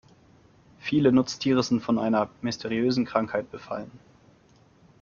Viele Nutztiere sind von einer mysteriösen Krankheit befallen.